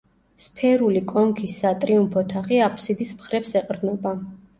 სფერული კონქის სატრიუმფო თაღი აფსიდის მხრებს ეყრდნობა.